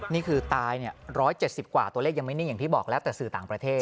นี่คือตาย๑๗๐กว่าตัวเลขยังไม่นิ่งอย่างที่บอกแล้วแต่สื่อต่างประเทศ